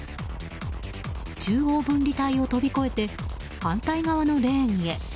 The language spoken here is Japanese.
中央分離帯を飛び越えて反対側のレーンへ。